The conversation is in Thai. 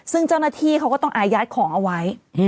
ซึ่งเจ้าหน้าที่เขาก็ต้องอายัดของเอาไว้